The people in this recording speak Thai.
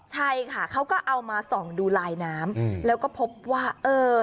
ใช่ค่ะเขาก็เอามาส่องดูลายน้ำอืมแล้วก็พบว่าเออ